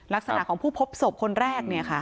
ลักษณะของผู้พบศพคนแรก